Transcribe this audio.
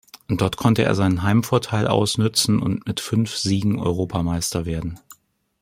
Dort konnte er seinen Heimvorteil ausnützen und mit fünf Siegen Europameister werden.